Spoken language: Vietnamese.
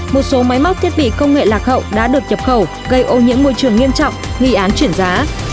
một số máy móc thiết bị công nghệ lạc hậu đã được nhập khẩu gây ô nhiễm môi trường nghiêm trọng nghi án chuyển giá